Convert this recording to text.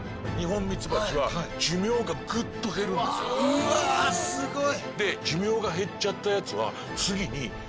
うわすごい。